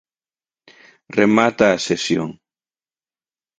Remata a sesión.